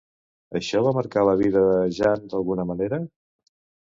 Això va marcar la vida de Jéanne d'alguna manera?